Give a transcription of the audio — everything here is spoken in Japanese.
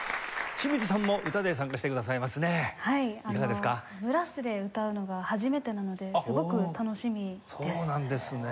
あのブラスで歌うのが初めてなのですごく楽しみです。